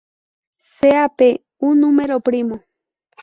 Sea "p" un número primo.